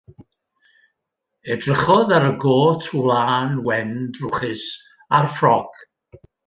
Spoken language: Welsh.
Edrychodd ar y got wlân wen drwchus a'r ffrog.